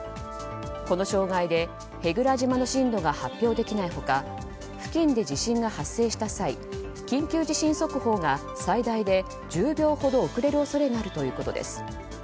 この障害で舳倉島の震度が発表できない他付近で地震が発生した際緊急地震速報が最大で１０秒ほど遅れる恐れがあるということです。